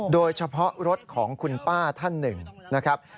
โดยเฉพาะรถของคุณป้าท่านหนึ่งนะครับ